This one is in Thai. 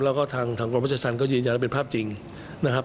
แล้วก็ทางกรมราชธรรมก็ยืนยันว่าเป็นภาพจริงนะครับ